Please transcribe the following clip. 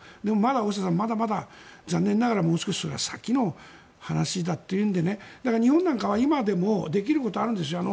大下さん、まだまだ残念ながらもう少しそれは先の話だというので日本なんかは今でもできることあるんですよ。